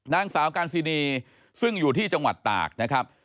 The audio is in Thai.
นางสาวการซินีซึ่งอยู่ที่จังหวัดตากนะครับ